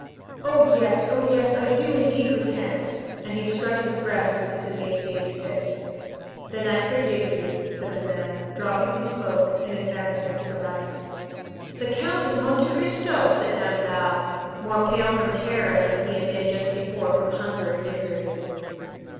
"Oh, yes; oh, yes, I do indeed repent." And he struck his breast with his emaciated fist. "Then I forgive you," said the man, dropping his cloak, and advancing to the light. "The Count of Monte Cristo!" said Danglars, more pale from terror than he had been just before from hunger and misery.